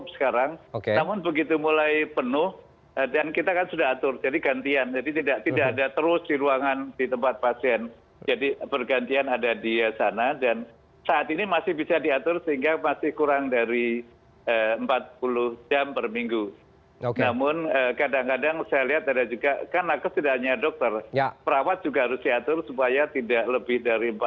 yang ini kadang kadang tidak mudah